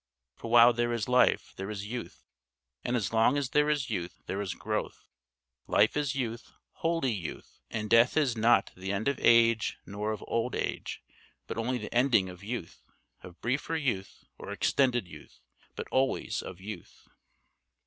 For while there is life, there is youth; and as long as there is youth, there is growth. Life is youth, wholly youth; and death is not the end of age nor of old age, but only the ending of youth: of briefer youth or extended youth, but always of youth.